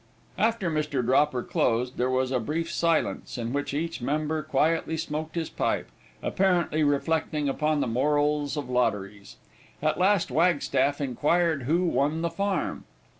After Mr. Dropper closed, there was a brief silence, in which each member quietly smoked his pipe, apparently reflecting upon the morals of lotteries. At last Wagstaff inquired who won the farm.